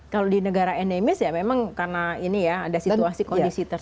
kalau di negara endemis ya memang karena ini ya ada situasi kondisi tertentu